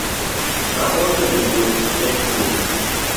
Namoso japuonj e skul